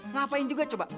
ngapain juga coba